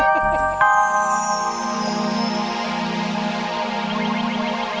kalian semua ini